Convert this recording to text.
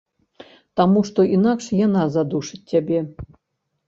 Таму што інакш яна задушыць цябе.